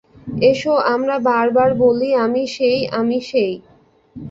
S, আমরা বার বার বলি আমি সেই, আমি সেই।